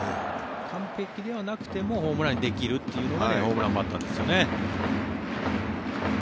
完璧ではなくてもホームランにできるというのがホームランバッターですよね。